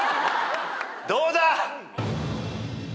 どうだ？